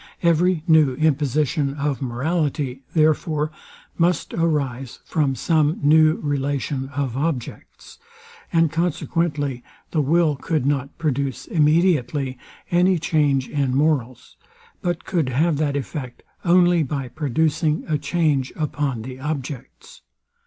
Every new imposition of morality, therefore, must arise from some new relation of objects; and consequently the will could not produce immediately any change in morals, but cou'd have that effect only by producing a change upon the objects.